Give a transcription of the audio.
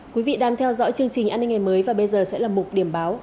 quý vị đang theo dõi chương trình an ninh ngày mới và bây giờ sẽ là mục điểm báo